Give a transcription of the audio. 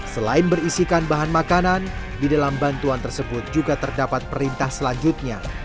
selain berisikan bahan makanan di dalam bantuan tersebut juga terdapat perintah selanjutnya